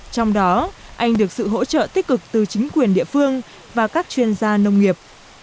trong đó anh được sự hỗ trợ tích cực từ chính quyền địa phương và các chuyên gia nông nghiệp